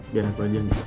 biar aku aja yang beratnya